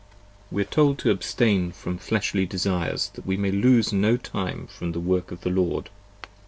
5 WE are told to abstain from fleshly desires that we may lose no time from the Work of the Lord.